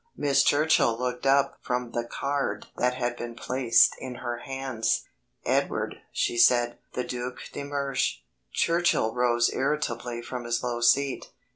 Miss Churchill looked up from the card that had been placed in her hands. "Edward," she said, "the Duc de Mersch." Churchill rose irritably from his low seat.